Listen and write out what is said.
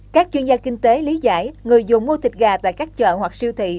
các chuyên gia kinh tế lý giải người dùng mua thịt gà tại các chợ hoặc siêu thị